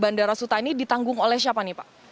bandara suta ini ditanggung oleh siapa nih pak